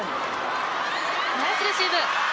ナイスレシーブ。